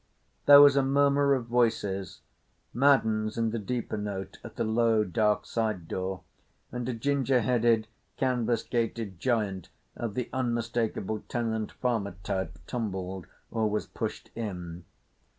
There was a murmur of voices—Madden's and a deeper note—at the low, dark side door, and a ginger headed, canvas gaitered giant of the unmistakable tenant farmer type stumbled or was pushed in.